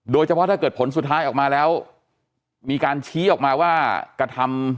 ถ้าเกิดผลสุดท้ายออกมาแล้วมีการชี้ออกมาว่ากระทำ